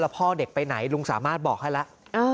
พ่อเด็กไปไหนลุงสามารถบอกให้แล้ว